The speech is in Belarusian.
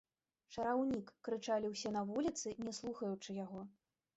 Чараўнік!—крычалі ўсе на вуліцы, не слухаючы яго.